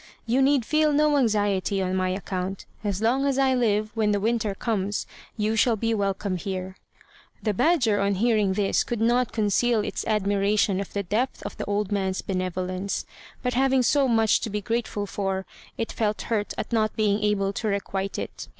You need feel no anxiety on my account. As long as I live, when the winter comes, you shall be welcome here." The badger, on hearing this, could not conceal its admiration of the depth of the old man's benevolence; but having so much to be grateful for, it felt hurt at not being able to requite it.